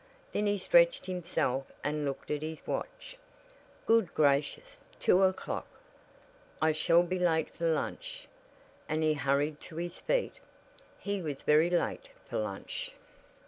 Then he stretched himself and looked at his watch. "Good gracious, two o'clock! I shall be late for lunch!" and he hurried to his feet. He was very late for lunch.